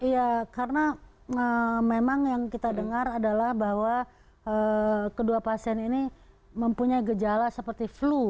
ya karena memang yang kita dengar adalah bahwa kedua pasien ini mempunyai gejala seperti flu